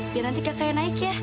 biar nanti kakak yang naik ya